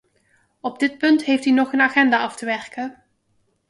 Op dit punt heeft u nog een agenda af te werken.